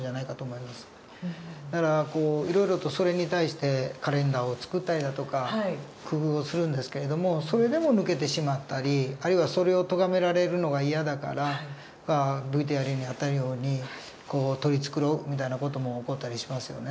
だからいろいろとそれに対してカレンダーを作ったりだとか工夫をするんですけれどもそれでも抜けてしまったりあるいはそれをとがめられるのが嫌だからＶＴＲにあったように取り繕うみたいな事も起こったりしますよね。